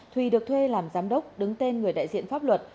thùy được thuê làm giám đốc đứng tên người đại diện pháp luật